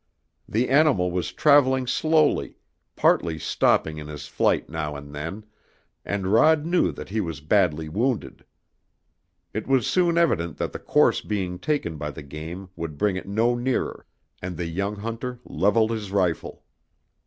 The animal was traveling slowly, partly stopping in his flight now and then, and Rod knew that he was badly wounded. It was soon evident that the course being taken by the game would bring it no nearer, and the young hunter leveled his rifle.